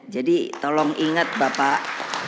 jadi tolong ingat bapak